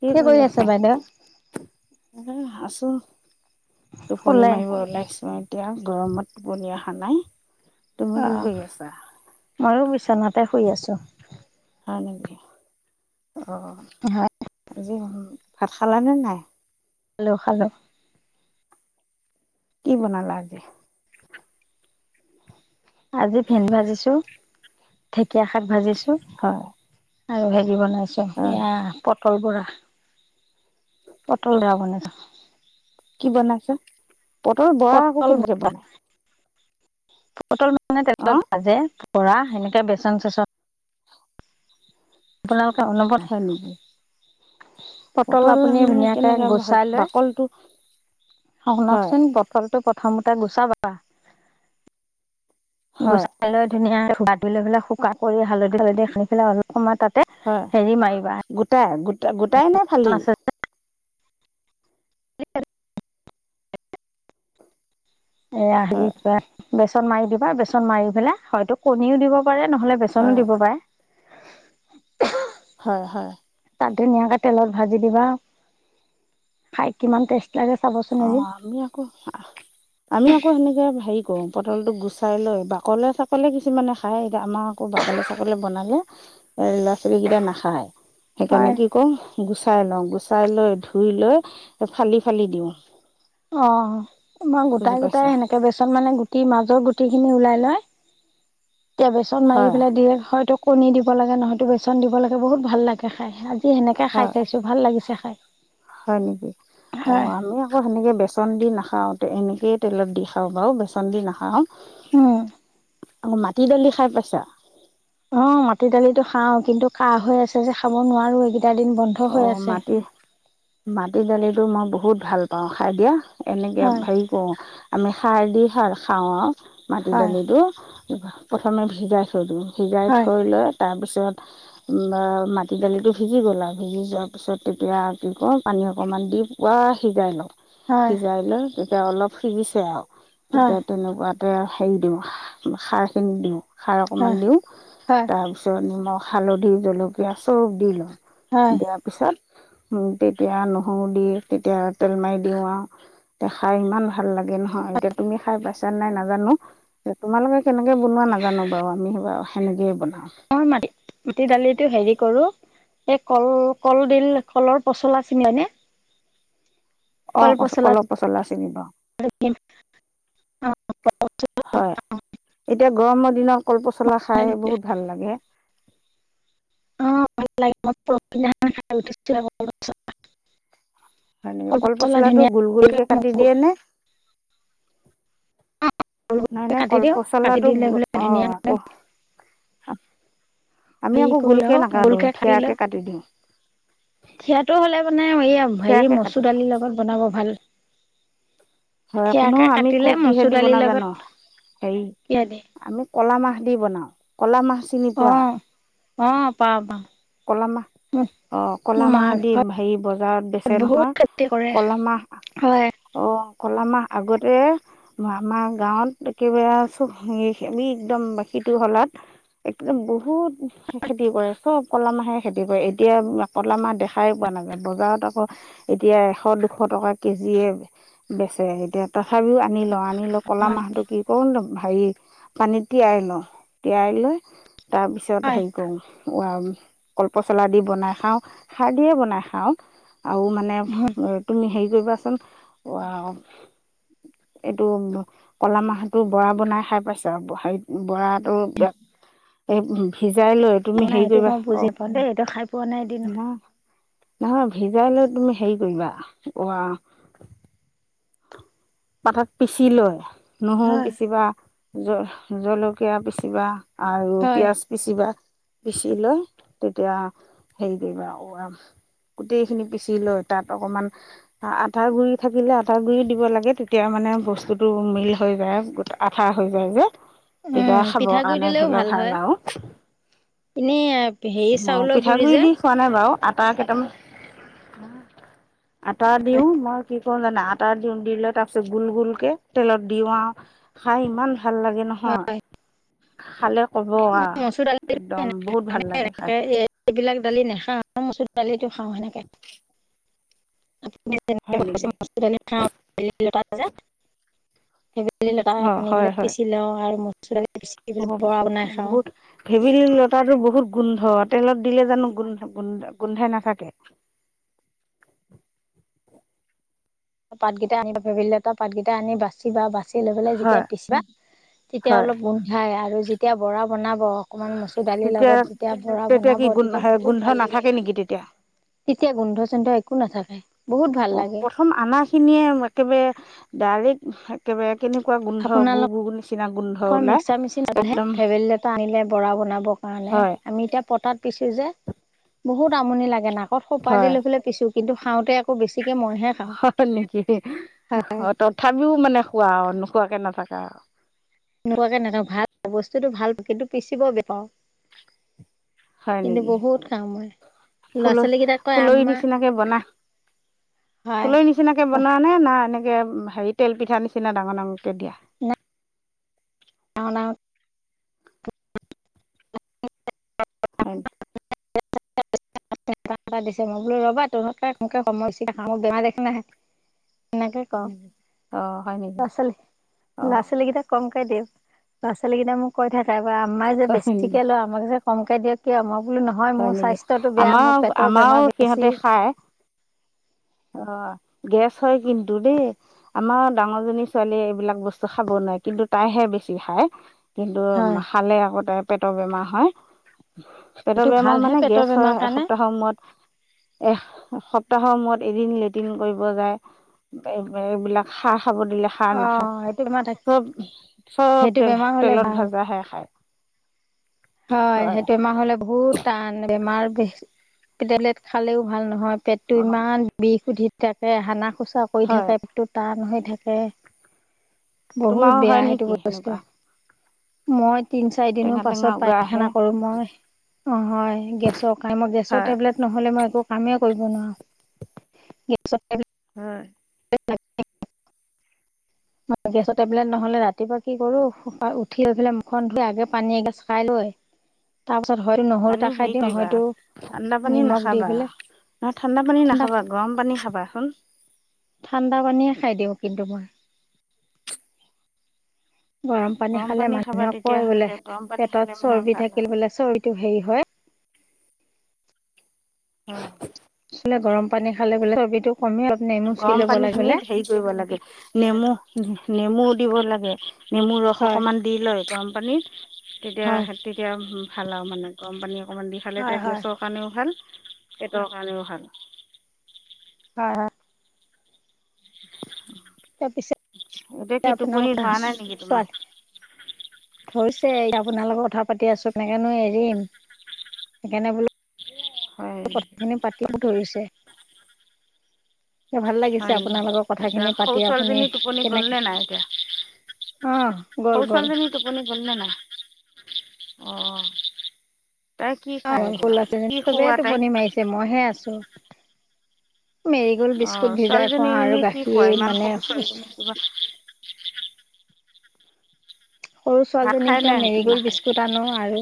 কি কৰি আছা? এনেই আছোঁ। টোপনি শুলে মাৰিব ওলাইছোঁ এতিয়া গৰমত টোপনি অহা নাই। তুমি কি অ', কৰি আছা? ময়ো বিচনাতে শুই আছোঁ। হয় নিকি অ' অ' হয়। আজি। নহল। ভাত খালা‌নে নাই? খালো খালো। কি বনালা আজি? আজি ভেন্দি ভাজিছোঁ, ঢেকীয়া শাক ভাজিছোঁ। হয়। আৰু হেৰি বনাইছোঁ হয় এয়া প পটল বৰা, পটল ৰা বনাইছো। কি বনাইছো, পটল বৰা আকৌ পটল কেনেকে বনাই? পটল মানে তেলত অ' ভাজে, পৰা সেনেকে বেচন চেচন আপোনালোকে হয় নেকি? অনবৰত পটল আপুনি আমি ধুনীয়াকে কেনেকে গুচাই লৈ বাকলটো শ হয় শুনকচোন পটলটো প্ৰথমতে গুচাবা হয় গুচাই লৈ ধুনায়া কৈ ধোই লৈ পেলাই শুকাই কৰি হালধি হালধি সানি পেলাই অলপ সময় তাতে হয়। হেৰি মাৰিবা গোটাই গোটা- গোটাই নে ফালি? এয়া হেৰি হয় কিবা বেচন মাৰি দিবা, বেচন মাৰি পেলাই হয়তো কণীও দিব পাৰে নহ'লে বেচ বেচনো হয় দিব পাৰে। হয় হয়। তাত ধুনীয়াকে তেলত ভাজি দিবা, খাই কিমান টেষ্ট লাগে চাব চো অঁ আমি আকৌ আমি আকৌ সেনেকে হেৰি কৰো, পটলটো গুচাই লৈ বাকলে চাকলে কিছুমানে খাই, এতিয়া আমা আকৌ বাকলিয়ে ছাকলিয়ে বনালে এ ল'ৰা ছোৱালী কেইটাই নাখায়। হয় সেইকাৰণে কি কৰো, গুচাই লওঁ গুচাই লৈ ধুই লৈ ফালি ফালি দিওঁ [inaudible] অঁ মই বুজি গোটাই গোটাই পাইছা বেচন মানে গুটি মাজৰ গুটি খিনি ওলাই লৈ তেতিয়া বেচন মাৰি হয় পেলাই দিয়ে হয় তোক কণী দিব লাগে, নহয়তো বেচন দিব লাগে, বহুত ভাল লাগে খাই। আজি সেনেকে খাই হয় চাইছো ভাল লাগিছে খাই। হয় নেকি? হয় অ' আমি আকৌ সেনেকে বেচ বেচন দি নাখাওঁ, তে এনেকেই তেলত দি বাৰু বেচন দি নাখাওঁ উম অঁ, মাটি দালি খাই পাইছা? উম মাটি দালিটো খাওঁ, কিন্তু কাঁহ হৈ আছে যে খাব নোৱাৰো এই অঁ মাটি, মাটি দালিতো মই বহুত ভাল পাওঁ খাই দিয়া এনেকে হয় হেৰি কৰোঁ, আমি সাৰ দি সাৰ খাওঁ আও মাটি হয় দালিটো। প্ৰথমে ভিজাই থৈ দিওঁ, ভিজাই হয় থৈ লৈ তাৰ পিছত মাটি দালিটো ভিজি গ'ল আও ভিজি যোৱাৰ পিছত তেতিয়া, কি কৰো পানী অকণমান দি পূৰা সিজাই লওঁ। হয় সিজাই লৈ তেতিয়া অলপ সিজিছে আও হয় তেতিয়া তেনেকুৱাতে হেৰি দিওঁ, খাৰ‌ খিনি দিওঁ। খাৰ হয় অকণমান দিওঁ। হয় তাৰপিছত নিমখ, হালধি, জলকীয়া চব দি লওঁ। হয়। দিয়াৰ পিছত, উম তেতিয়া নহৰু দি তেতিয়া তেল মাৰি দিওঁ আও। তিয়া খাই ইমান ভাল লাগে নহয়, এতিয়া তুমি খাই পাইছা নাই নাজানো। তে তোমালোকে কেনেকে বনোৱা নাজানো বাও আমি বাও সেনেকয়েই বনাওঁ। [unintelligible] মাটি দালিটো হেৰি কৰো এই কল কলদিল কলৰ পচলা চিনি হয়নে অ কচ কল পচলা চিনি পাওঁ [unintelligible] [unintelligible] হয় এতিয়া গৰমৰ দিনৰত কল পচলা খাই বহুত ভাল লাগে [unintelligible] হয় নেকি কল পচলা পচলাটো ধুনীয়া গোল গোলকে কাটি দিয়ে নে [inaudible] নহয় [unintelligible] নে কাটি কল দিওঁ কাটি পচলাটো দি লৈ পেলে অঁ ধুনীয়াকে আকৌ আমি আকৌ গোলকে নাকাতো গোলকে থিয়াকে কাটি দিওঁ থিয়টো হ'লে মানে এই হেৰি থিয়াকে কাটি মচুৰ দিওঁ দালি লগত বনাব ভাল হয় কোনো থিয়াকে আমি ক কাটিলে কিহে মচুৰ দিব দালিৰ বনাওঁ জান লগত হেৰি কিয় দিয়ে আমি কলা মাহ দি বনাও ক'লা মাহ চিনি অ পোৱা অ পাওঁ পাওঁ কলামাহ মোৰ অ কল মা মাহ দি ঘৰত হেৰি বজাৰত বেচে বহুত নহয় খেতি কৰে কলা মাহ হয় অহ কলা মাহ আগতে আমাৰ গাঁৱত একেবাৰে চব একদম বাকী টো হলাত একদম বহুত খেতি কৰে চব ক'লা মাহে খেতি কৰে এতিয়া ক'লা মাহ দেখাই পোৱা নাযায় বজাৰত আকৌ এতিয়া এশ দুশ টকা কেজিয়ে বেচে এতিয়া তথাপিও আনি লও আনি লও ক'লা হয় মাহটো কি কৰো সাৰি পানীত তিয়াই লও তিয়াই লৈ তাৰপিছত হয়। হেৰি কৰোঁ। [unintelligible] ক'লপচলা দি বনাই খাওঁ, খাৰ দিয়ে বনাই খাওঁ আও মানে তুমি হেৰি কৰিবা চোন ৱাও এইটো ক'লা মাহতো বৰা বনাই খাই পাইছ, হেৰিত বৰাট টো হেয় ভিজাই লৈ। তুমি নাই হেৰি এইটো কৰিবা মই বুজি অ', পাওঁ দেই এইটো খাই পোৱা নাই এদিনো। নাহ। নহয় ভিজাই লৈ তুমি হেৰি কৰিবা ৱাহ। পাতত পিচি লয় নহৰু হয় পিচিবা জ জলকীয়া পিচিবা। আৰু হয়। পিয়াঁজ। পিচিবা পিচি লৈ তেতিয়া হেৰি কৰিবা গোটেইখিনি পিচি লৈ তাত অকমান আঠাৰ গুৰি থাকিলে আটা গুৰি দিব লাগে তেত তিয়া মানে বস্তুটো মিল হৈ যায়, আঠা হৈ যায় যে। উম তেতিয়া খাব পিঠাগুৰি কাৰণে দিলেও ধৰিলোৱা হয় ভাল আও। এনেই হেৰি চাউলৰ গুৰি পিঠাগুড়ি যে দি খোৱা নাই বাৰু আটা কেইটামান, আটা দিওঁ মই কি কৰো জানা আটা দিওঁ দি লৈ তাৰ পিছত গোল গোলকে, তেলত দিও আও খাই ইমান ভাল লাগে ন। হয়। খালে ক'ব মই আও, মচুৰ দালি একদম বহুত ভাল মানে লাগে খাই। এনেকে এইবিলাক দালি নাখাওঁ মচুৰ দালিটো খাওঁ সেনেকে। [unintelligible] হয় নেকি ভেদেলি লতা অঁ আনি হয় পেলাই হয় পিচি লওঁ আৰু মচুৰ দালি পিচি পেল বৰা বনাই খাওঁ। ভেদেলী লতাটো বহুত গোন্ধ তেলত দিলে জানো গুণ, গুণ-গোন্ধাই নাথাকে। পাতকেইটা আনিবা, ভেদেইলতা পাতকেইটা আনি বাচিবা বাচি দি লগে লগে যেতিয়া হয় পিছিবা তেতিয়া হয় অলপ গোন্ধায় আৰু যেতিয়া ভৰা বনাব অকমান মচুৰ দালিৰ তেতিয়া লগত যেতিয়া ভৰা তেতিয়া বনাব কি গোন্ধ তেতিয়া বহুত গোন্ধ ভাল লাগে। নাথাকে নেকি তেতিয়া তেতিয়া গোন্ধ চুন্ধ একো নাথাকে, বহুত ভাল লাগে। হু, আমাৰখিনিয়ে একেবাৰে ডাইৰেক্ট একেবাৰে কেনেকুৱা গোন্ধ, গু আপোনালোকৰ গু নিচিনা গোন্ধ ওলাই একদম। টানিলে ভৰা বনাব কাৰণে, হয় আমি এতিয়া পতাত পিছো যে বহুত আমনি লাগে, নাকত সুপা দি হয় লৈ পে পিছো কিন্তু খাওঁতে আকৌ বেছিকে মইহে খাওঁ হয় নেকি? তথাপিও মানে খোৱা, নোখোৱ কে নাথাকা আৰু। নোখোৱাকে নাথা, ভাল বস্তুটো, ভাল কিন্তু পিচিব বেয়া পাওঁ। হয় কিন্তু নেকি বহুত খাওঁ মই। ল'ৰা ফুল ছোৱালী কেইটা কয় ফুলৰি আম্মা হয়। ফুলৰ নিচিনাকৈ বনোৱা নে না এনেকে হেৰি তেল পিঠা নিচিনা ডাঙৰ ডাঙৰকৈ দিয়া? না ডাঙৰ ডাঙৰ [inaudible] [unintelligible] এটা এটা দিছে মই বোলো ৰ'বা [unintelligible] এনেকে হয় কওঁ, নেকি অ হয় নেকি ল'ৰা ছোৱালী, অ ল'ৰা ছোৱালী কেইটাক কমকে দিওঁ, ল'ৰা ছোৱালী কেইটাই মোক কৈ থাকে কই আমাই যে হয় নেকি বেছিকে লয় মোক যে কমকে দিয় কিয়, মই বোলো নহয় হয় মোৰ নেকি স্বাস্থ্যটো বেয়া, আমাৰ মোৰ পেটৰ আমাৰো বেমাৰ বেছি। সিহঁতে খায় অ' গেছ হয় কিন্ত দেই। আমাৰো ডাঙৰজনী ছোৱালীয়ে এইবিলাক বস্তু খাব নোৱাৰে কিন্তু তাইহে বেছি খায়। কিন্তু হয় খালে আকৌ তাইৰ পেটৰ বেমাৰ হয়। পেটৰ এইটো বেমাৰ ভালহে মানে পেটৰ গেছ বেমাৰ হয় কাৰণে এসপ্তাহৰ মুৰত। এহ, সপ্তাহৰ মূৰত এদিন লেট্ৰিন কৰিব যায়। এ-এইবিলাক খা খাব দিলে খাৰ অ নাখায়, সেইটো বেমাৰ থাক চব চব সেইটো তেল বেমাৰ হলে তেলত ভাল ভাজা হেয়া খাই। হয় সেইটো বেমাৰ হ'লে বহুত টান বেমাৰ বি, টেবলেট খালেও ভাল নহয়, পেটটো অ', ইমান বিষ উঠি থাকে, হানা খোচা কৰি হয় থাকে, পেটটো টান হৈ থাকে। তোমাৰো বহুত হয় বেয়া সেইটো নেকি বস্তু, সেনেকুৱা মই তিন চাৰি টেঙা দিনৰ টেঙা পাছত পাই উগাৰহে আৰু মই, হয়, গেছৰ কাৰণে, মই গেছৰ হয় টেবলেট নহ'লে মই একো কামেই কৰিব নোৱাৰো, গেছৰ টেবলেট হয়। [unintelligible] গেছৰ টেবলেট নহলে ৰাতিপুৱা কি কৰোঁ শু পা উঠি লৈ মুখখন ধুই আগে পানী এগিলাচ খাই লৈ তাৰ পাছত হয়তো নহৰু এটা পানী খাই হেৰি দিওঁ কৰিবা, নহয়তো ঠাণ্ডা পানী নিমখ দি নাখাবা। পেলাই নহয় ঠাণ্ডা পানী নাখাবা, গৰম পানী খাবাচোন। ঠাণ্ডা পানীয়ে খাই দিওঁ কিন্তু মই। গৰম পানী খালে খাবা মানুহে কয় বোলে তেতিয়াহ'লে গৰম পানী খালে পেটত মানে চৰ্বি ভাল আৰু থাকিল বোলে চৰ্বিটো হেৰি হয় হয়। [unintelligible] গৰম পানী খালে বোলে চৰ্বিটো কমে, নেমু চেপি গৰম ল'ব পানী খিনিত লাগিলে হেৰি কৰিব লাগে, নেমু নেমু দিব লাগে নেমু ৰস হয় অকমান দি লৈ গৰম পানীত, এতিয়া হয় হে এতিয়া ভাল আৰু মানে, গৰম পানী অকণমান দি খালে হয় এতিয়া গেছ হয় কাৰণেও ভাল, পেটৰ কাৰণেও ভাল। হয়, হয়। তাৰপিছত, এতিয়া নে কি টোপনি আপোনালোকে ধৰা নাই নেকি তোমাৰ ছোৱালী হৈছে, আপোনাৰ লগত কথা পাতি আছোঁ, এনেকেনো এৰিম সেইকাৰণে বোলো হয় কথাখিনি পাতিব ধৰিছে এতিয়া ভাল হয় লাগিছে নেকি আপোনাৰ লগৰ এতিয়া কথাখিনি সৰু পাতি, আপুনি ছোৱালীজনী টোপনি গ'লনে কেনেকে নাই এতিয়া অ' গ'ল, সৰু গ'ল। ছোৱালীজনী টোপনি গ'ল নে নাই, অ', অ' অ' শুলা যে, চবেই খুওৱা তাইক? টোপনি মাৰিছে, মইহে আছোঁ মেৰিগল অ', বিস্কুট ভিজাই ছোৱালীজনী খোৱাও এনে আৰু কি খুৱাই গাখীৰ ইমান মানে সৰু [unintelligible] সৰু ভাত ছোৱালীজনীক, খাই এতিয়া নাই নেকি মেৰিগল নাখায়? বিস্কুট আনো, আৰু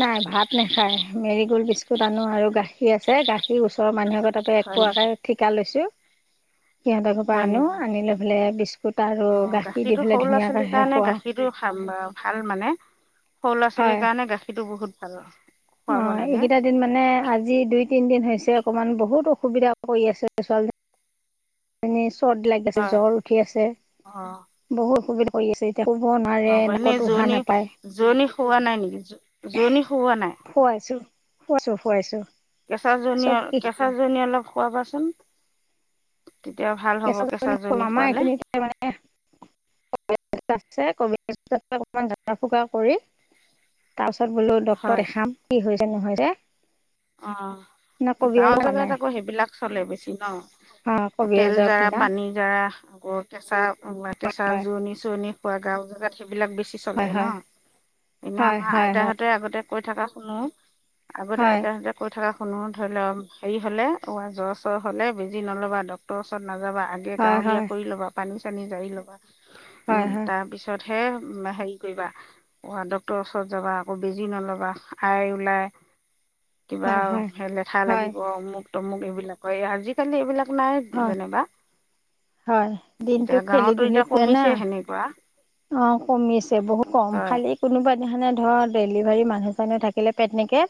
নাই ভাত নেখায়, মেৰিগল বিস্কুট আনো, আৰু গাখীৰ আছে, গাখীৰ ওচৰৰ মানুহ আগত তাপা হয় একপুৱাকে নেকি ঠিকা লৈছোঁ সিহঁতৰ ঘৰৰ পৰা হয় আনো, নেকি? আনি লৈ পেলাই বিস্কুট আৰু অ', গাখীৰ দি গাখীৰটো সৰু পেলাই ল'ৰা ধুনীয়াকে ছোৱালীৰ সেই কাৰণে খোৱাও। [unintelligible] ভাল মানে, সৰু ল'ৰা ছোৱালীৰ কাৰণে গাখীৰটো বহুত ভাল। খুৱাব অ' লাগে এইকেইটা দিন মানে, আজি দুই, তিন দিন হৈছে, অকমান বহুত অসুবিধা কৰি আছে, ছোৱালী মানে চৰ্দি লাগি আছে, হয় জ্বৰ উঠি আছে অ', বহুত অসুবিধা কৰি আছে, এতিয়া শুব নোৱাৰে হ'ব নাকত এনেই উশাহ জোৰনী, নাপায় জোৰনী খুওৱা নাই নেকি জোৰনী খুওৱা নাই? খুৱাইছোঁ, খুৱাইছোঁ, খুৱাইছোঁ কেঁচা জোৰণি চব কি কেঁচা জোৰনী অলপ খুৱাবাচোন, তেতিয়া ভাল হ'ব কেঁচা জোৰনী খুৱালে য়ে মানে [unintelligible] জৰা ফুকা কৰি তাৰপিছত বোলো ডক্তক হয় দেখাম, কি হৈছে নহৈছে। নে অ' কবিৰাজ গাঁওৰ জেগাত নাই আকৌ সেইবিলাক চলে বেছি অঁ ন' তেল কবিৰাজৰ জাৰা কিনাত তেল জাৰা [unintelligible] হয় জোৰোনি চোৰোনি খোৱা, গাঁও জেগাত সেইবিলাক বেছি চলে হয় হয় ন', এনে হয় আমাৰ হয় হয় আইতাহঁতে আগতে কৈ থকা শুনো আগতে হয় আইতাহঁতে কৈ থকা শুনো, ধৰি লও হেৰি হ'লে অ' আই জ্বৰ চৰ হলে বেজী নল'বা, ডক্তৰৰ ওচৰত নাযাবা আগে হয় গাঁৱলীয়া হয় কৰি ল'বা পানী চানী জাৰি ল'বা, হয় উ'ম হয় তাৰ পিছ ততহে তোমাৰ হেৰি কৰিবা ডক্তৰৰ ওচৰত যাবা আকৌ বেজি নলবা, আই ওলাই কিবা হয় হয় লেঠা হয় লাগিব, অমুক তমুক এইবিলাক হয়, আজিকালি এইবিলাক নাই হয় যেনিবা। হয় দিনটো এতিয়া খেলি গাঁৱতো ধুলি এতিয়া ফুৰে না। কমিছে সেনেকুৱা অ' কমিছে বহু কম, হয় খালি কোনোবা দিহানে ধৰ, ডেলিভাৰী মানুহ চানুহ থাকিলে পেটনেকে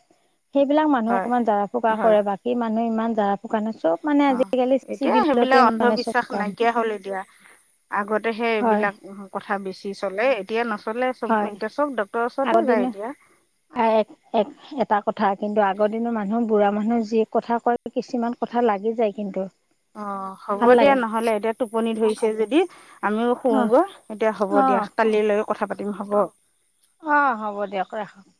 সেইবিলাক মানুহ হয় অকণমান জৰা ফুকা হয় কৰে, বাকী মানুহে ইমান জাৰা ফুকা নি চব মানে অ আজিকালি এতিয়া সেইবিলাক চিভিলতে মানে চব অন্ধবিশ্বাস কাম নাইকিয়া হ'ল এতিয়া, আগতে হয় সেইবিলাক কথা বেছি চলে, এতিয়া নচলে। চব হয় এতিয়া চব ডক্টৰৰ ওচৰতে আগৰ যায় দিনৰ এতিয়া। [unintelligible] এটা কথা কিন্তু আগৰ দিনৰ মানুহক বুঢ়া মানুহে যি কথা কয় কিছুমান কথা লাগি যায় কিন্তু। অ' হ'ব ভাল দিয়া লাগে নহ'লে, এতিয়া টোপনি ধৰিছে যদি। আমিও অ শুওঁগৈ, এতিয়া হ'ব অ দিয়া, কালিলৈ কথা পাতিম হ'ব। অ', হ'ব দিয়ক ৰাখক।